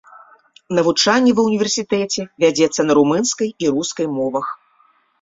Навучанне ва ўніверсітэце вядзецца на румынскай і рускай мовах.